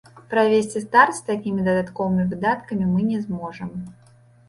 Правесці старт з такімі дадатковымі выдаткамі мы не зможам.